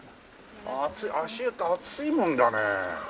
熱い足湯って熱いものだね。